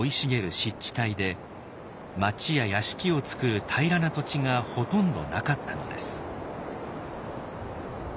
湿地帯で町や屋敷をつくる平らな土地がほとんどなかったのです。